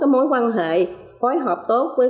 mối quan hệ